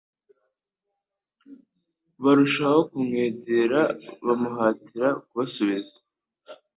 barushaho kumwegera bamuhatira kubasubiza.